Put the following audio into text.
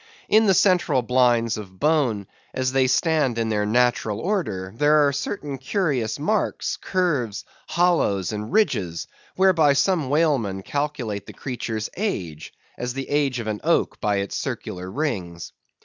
In the central blinds of bone, as they stand in their natural order, there are certain curious marks, curves, hollows, and ridges, whereby some whalemen calculate the creature's age, as the age of an oak by its circular rings.